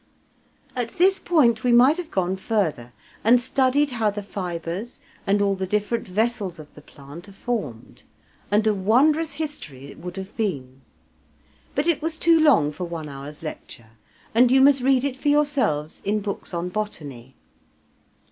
At this point we might have gone further, and studied how the fibres and all the different vessels of the plant are formed, and a wondrous history it would have been. But it was too long for one hour's lecture, and you must read it for yourselves in books on botany.